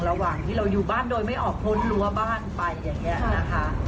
ระหว่างที่เราอยู่บ้านโดยไม่ออกพ้นรั้วบ้านไปอย่างนี้นะคะ